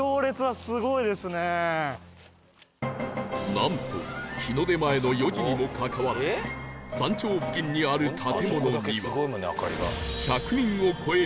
なんと日の出前の４時にもかかわらず山頂付近にある建物には